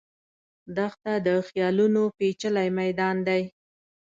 دښته د خیالونو پېچلی میدان دی.